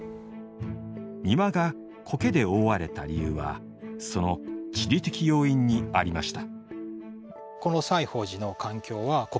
庭が苔で覆われた理由はその地理的要因にありました。